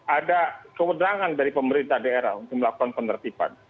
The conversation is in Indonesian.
ada kewenangan dari pemerintah daerah untuk melakukan penertiban